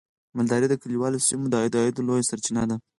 مالداري د کليوالو سیمو د عاید لویه سرچینه ده.